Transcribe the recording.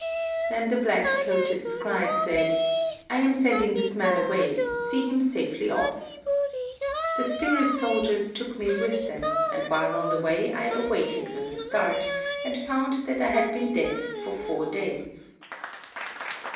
"Then the black coated scribe said, 'I am sending this man away; see him safely off.' The spirit soldiers took me with them, and while on the way I awakened with a start, and found that I had been dead for four days."